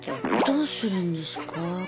どうするんですか？